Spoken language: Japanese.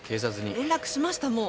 ・連絡しましたもう。